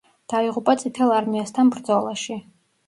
დაიღუპა წითელ არმიასთან ბრძოლაში.